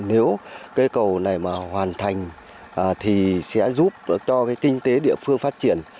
nếu cây cầu này mà hoàn thành thì sẽ giúp cho kinh tế địa phương phát triển